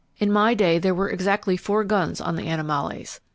In my day there were exactly four guns on the Animallais.